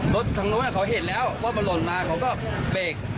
รถทางนู้นเขาเห็นแล้วว่ามันหล่นมาเขาก็เบรก